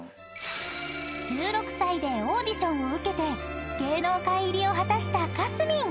［１６歳でオーディションを受けて芸能界入りを果たしたかすみん］